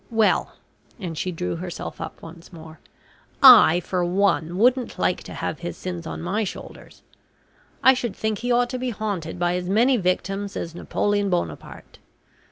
Well," and she drew herself up once more, "I, for one, wouldn't like to have his sins on my shoulders. I should think he ought to be haunted by as many victims as Napoleon Buonaparte.